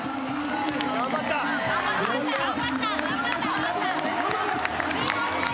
頑張ったよ！